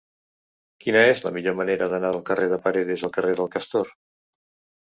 Quina és la millor manera d'anar del carrer de Paredes al carrer del Castor?